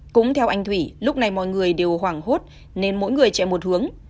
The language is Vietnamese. cũng theo anh thủy lúc này mọi người đều hoảng hốt nên mỗi người chạy một hướng